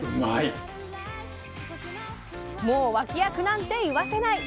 もう脇役なんて言わせない！